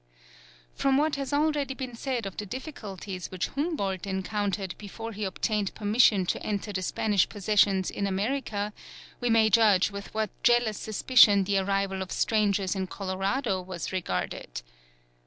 From what has been already said of the difficulties which Humboldt encountered before he obtained permission to enter the Spanish possessions in America, we may judge with what jealous suspicion the arrival of strangers in Colorado was regarded.